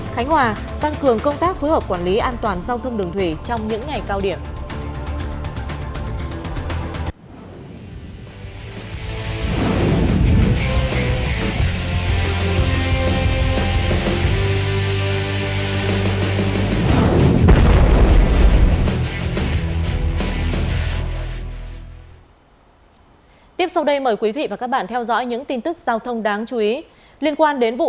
khánh hòa tăng cường công tác phối hợp quản lý an toàn giao thông đường thủy trong những ngày cao điểm